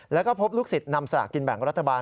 แล้วก็พบลูกศิษย์นำสลากกินแบ่งรัฐบาล